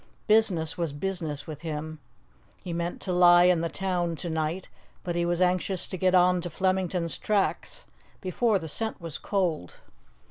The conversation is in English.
Business was business with him. He meant to lie in the town to night, but he was anxious to get on to Flemington's tracks before the scent was cold.